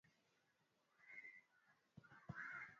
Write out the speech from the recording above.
Baada ya azimio la mwaka elfu moja mia nane thelathini na mbili